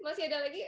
masih ada lagi